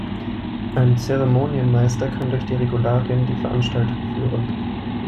Ein Zeremonienmeister kann durch die Regularien die Veranstaltung führen.